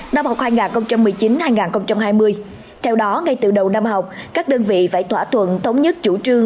năm học hai nghìn một mươi chín hai nghìn hai mươi theo đó ngay từ đầu năm học các đơn vị phải thỏa thuận thống nhất chủ trương